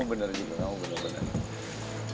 kamu benar juga aku benar